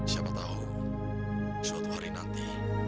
siapa tahu suatu hari nanti